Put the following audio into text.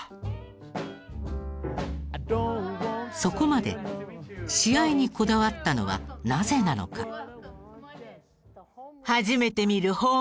そこまで試合にこだわったのはなぜなのか？